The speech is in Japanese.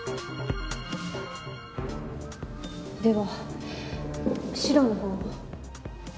では白の方を。